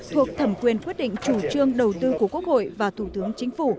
thuộc thẩm quyền quyết định chủ trương đầu tư của quốc hội và thủ tướng chính phủ